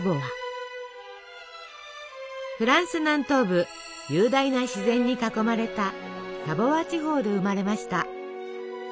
フランス南東部雄大な自然に囲まれたサヴォワ地方で生まれました。